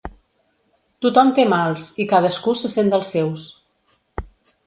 Tothom té mals i cadascú se sent dels seus.